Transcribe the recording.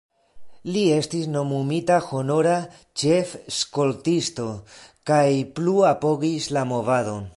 Li estis nomumita honora ĉef-skoltisto kaj plu apogis la movadon.